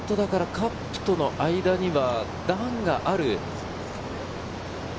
カップとの間には段がある。